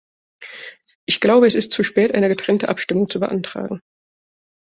Ich glaube, es ist etwas zu spät, eine getrennte Abstimmung zu beantragen.